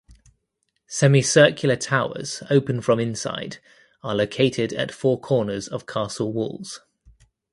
Semicircular towers open from inside are located at four corners of castle walls.